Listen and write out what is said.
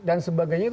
dan sebagainya itu